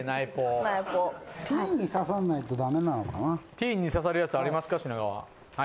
ティーンに刺さるやつありますか品川は？